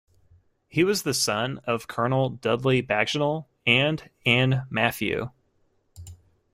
He was the son of Colonel Dudley Bagenal and Ann Matthew.